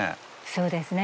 そうですね。